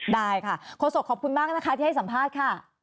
ได้ค่ะโฆษกขอบคุณมากนะคะที่ให้สัมภาษณ์ค่ะ